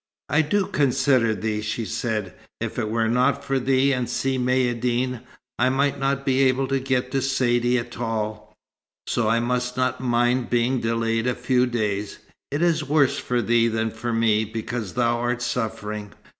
"I do consider thee," she said. "If it were not for thee and Si Maïeddine, I might not be able to get to Saidee at all; so I must not mind being delayed a few days. It is worse for thee than for me, because thou art suffering."